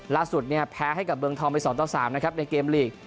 ล่าสุดเนี่ยแพ้ให้กับเมืองทองไป๒ต่อ๓นะครับในเกมลีก